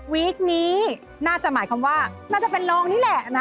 คนี้น่าจะหมายความว่าน่าจะเป็นโรงนี่แหละนะ